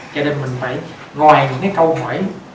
cho nên mình phải ngoài những cái câu hỏi